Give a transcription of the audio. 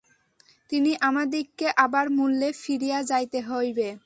কিন্তু আমাদিগকে আবার মূলে ফিরিয়া যাইতে হইবে।